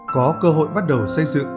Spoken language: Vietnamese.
có cơ hội bắt đầu xây dựng